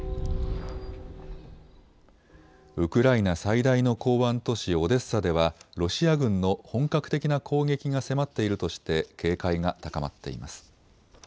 ウクライナ最大の港湾都市オデッサではロシア軍の本格的な攻撃が迫っているとして警戒が高まっています。